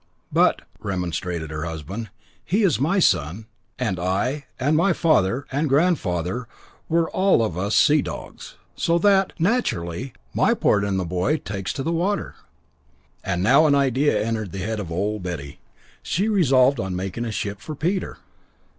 "But," remonstrated her husband, "he is my son, and I and my father and grandfather were all of us sea dogs, so that, naturally, my part in the boy takes to the water." And now an idea entered the head of Old Betty. She resolved on making a ship for Peter.